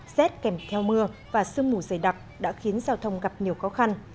rét kèm theo mưa và sương mù dày đặc đã khiến giao thông gặp nhiều khó khăn